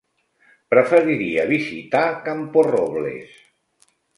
Preferiria visitar Camporrobles.